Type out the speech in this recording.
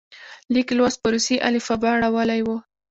لیک لوست په روسي الفبا اړولی وو.